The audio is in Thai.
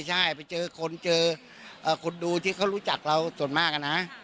ใช่ไปเจอคนเจอคนดูที่เขารู้จักเราส่วนมากนะ